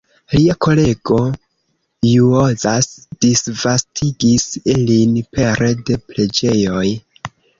Lia kolego Juozas disvastigis ilin pere de preĝejoj.